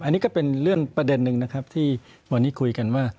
อันนี้ก็เป็นเรื่องประเด็นหนึ่งนะครับที่วันนี้คุยกันว่า